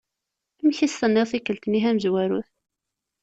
Amek i s-tenniḍ tikkelt-nni tamezwarut?